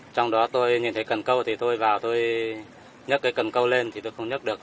trong đó tôi nhìn thấy cần câu thì tôi vào tôi nhắc cái cần câu lên thì tôi không nhắc được